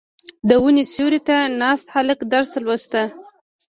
• د ونې سیوري ته ناست هلک درس لوسته.